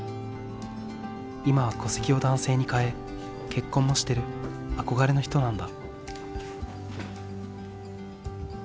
今は戸籍を男性に変え結婚もしてる憧れの人なんだ。